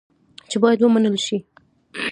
چې باید ومنل شي.